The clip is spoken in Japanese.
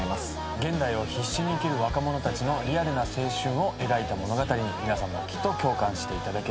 現代を必死に生きる若者たちのリアルな青春を描いた物語に皆さんもきっと共感していただけると思います。